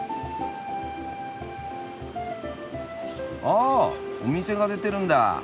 あお店が出てるんだあ。